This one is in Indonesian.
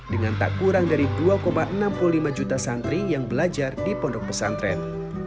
dengan tak kurang dari dua enam puluh lima juta santri yang belajar di pondok pesantren